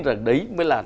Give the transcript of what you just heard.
đấy mới là